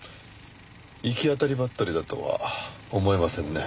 行き当たりばったりだとは思えませんね。